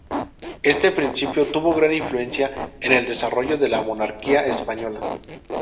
Este principio tuvo gran influencia en el desarrollo de la Monarquía Española.